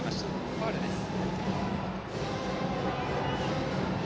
ファウルです。